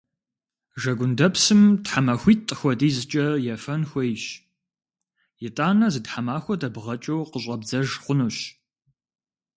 Жэгундэпсым тхьэмахуитӏ хуэдизкӏэ ефэн хуейщ. Итӏанэ зы тхьэмахуэ дэбгъэкӏыу къыщӏэбдзэж хъунущ.